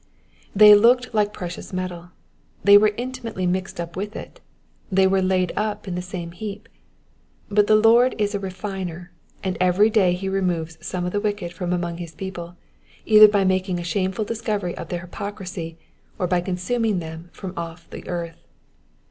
They looked like precious metal, they were intimately mixed up with it, they were laid up in the same heap ; but the Lord is a refiner, and every day he removes some of the wicked from among his people, either by making a shameful discovery of their hypocrisy or by consuming them from off the earth.